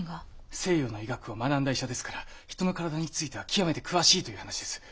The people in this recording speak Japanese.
西洋の医学を学んだ医者ですから人の体については極めて詳しいという話です。